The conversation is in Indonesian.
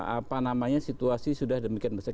apa namanya situasi sudah demikian besar